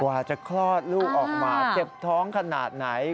กว่าจะคลอดลูกออกมาเจ็บท้องขนาดไหน